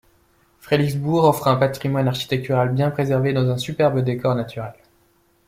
Frelighsburg offre un patrimoine architectural bien préservé dans un superbe décor naturel.